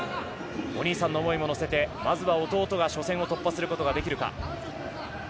お兄さんの思いも乗せてまずは弟が初戦を突破することができるか。